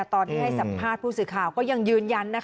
ตอนที่ให้สัมภาษณ์ผู้สื่อข่าวก็ยังยืนยัน